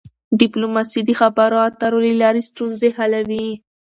ډيپلوماسي د خبرو اترو له لارې ستونزې حلوي.